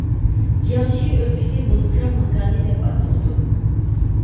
جياڭشى ئۆلكىسى «ۋولفرام ماكانى» دەپ ئاتىلىدۇ.